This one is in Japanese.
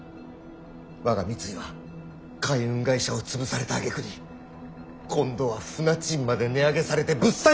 我が三井は海運会社を潰されたあげくに今度は船賃まで値上げされて物産業までやられている！